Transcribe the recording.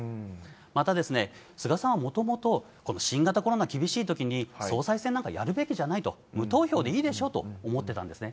また、菅さんはもともと、この新型コロナ厳しいときに総裁選なんかやるべきじゃないと、無投票でいいでしょうと思ってたんですね。